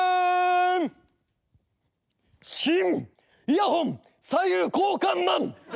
イヤホン左右交換マン！